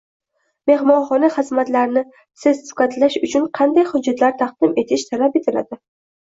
Mehmonxona xizmatlarini sertifikatlash uchun kanday hujjatlar taqdim etish talab etiladi?